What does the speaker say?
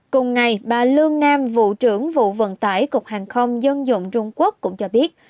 cùng ngày bà lương nam vụ trưởng vụ vận tải cục hàng không dân dụng trung quốc cũng cho biết